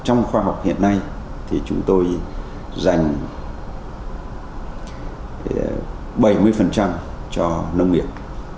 và trong khoa học hiện nay chúng tôi dành bảy mươi cho nông nghiệp